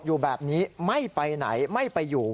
พระขู่คนที่เข้าไปคุยกับพระรูปนี้